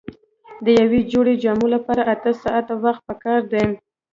د یوې جوړې جامو لپاره اته ساعته وخت پکار دی.